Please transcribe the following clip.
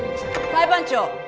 裁判長！